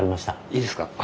いいですか？